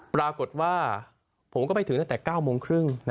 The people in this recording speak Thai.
ปรากฏว่าผมก็ไปถึงตั้งแต่๙โมงครึ่ง